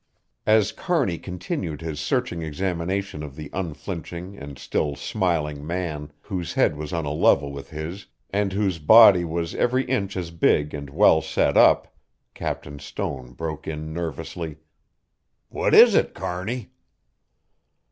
As Kearney continued his searching examination of the unflinching and still smiling man, whose head was on a level with his and whose body was every inch as big and well set up, Captain Stone broke in nervously: "What is it, Kearney?"